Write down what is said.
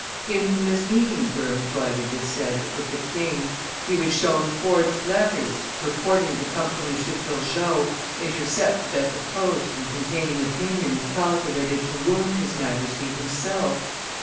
Infamous means were employed, it is said, with the king; he was shown forged letters, purporting to come from M. Turgot, intercepted at the post and containing opinions calculated to wound his Majesty himself.